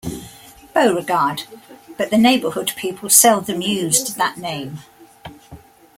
Beauregard, but the neighborhood people seldom used that name.